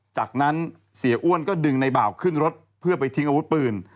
จากนั้นเสียอ้วนก็ดึงในบ่าวขึ้นรถเพื่อไปทิ้งอาวุธปืน